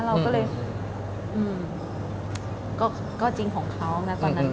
เราก็เลยก็จริงของเขานะตอนนั้น